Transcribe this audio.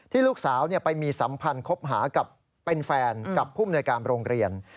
ลูกสาวไปมีสัมพันธ์คบหากับเป็นแฟนกับผู้มนวยการโรงเรียน